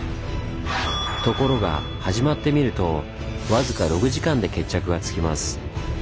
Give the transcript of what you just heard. ところが始まってみると僅か６時間で決着がつきます。